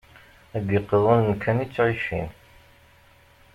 Deg iqiḍunen kan i ttɛicin.